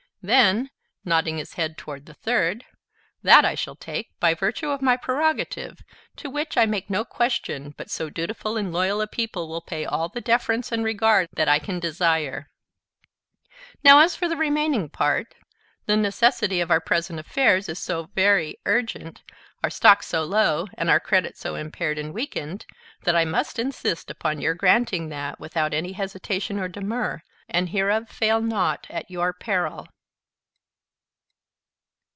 Then [nodding his head toward the third] that I shall take by virtue of my prerogative; to which, I make no question but so dutiful and loyal a people will pay all the deference and regard that I can desire. Now, as for the remaining part, the necessity of our present affairs is so very urgent, our stock so low, and our credit so impaired and weakened, that I must insist upon your granting that, without any hesitation or demur; and hereof fail not at your peril."